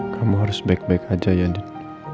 kamu harus baik baik aja ya